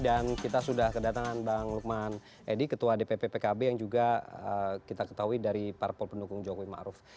dan kita sudah kedatangan bang lukman edi ketua dpp pkb yang juga kita ketahui dari para pol pendukung jokowi ma'ruf